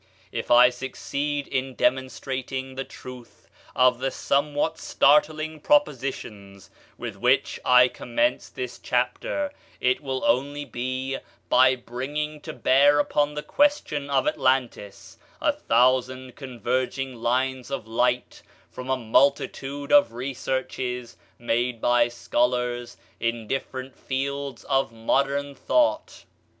If I succeed in demonstrating the truth of the somewhat startling propositions with which I commenced this chapter, it will only be by bringing to bear upon the question of Atlantis a thousand converging lines of light from a multitude of researches made by scholars in different fields of modern thought.